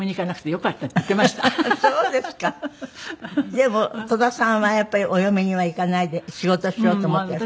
でも戸田さんはやっぱりお嫁には行かないで仕事しようと思っていらしたの？